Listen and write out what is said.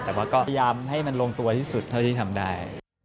แต่ว่าก็พยายามให้มันลงตัวที่สุดเท่าที่ทำได้